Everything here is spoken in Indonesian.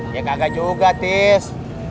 ya kagak juga tis